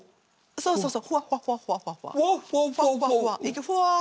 そうそうそう！